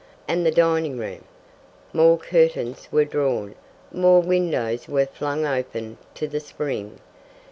"And the dining room." More curtains were drawn, more windows were flung open to the spring.